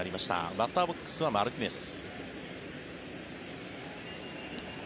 バッターボックスはマルティネス。